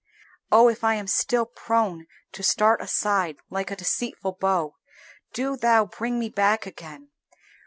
Oh if I am still prone to start aside, like a deceitful bow, do Thou bring me back again!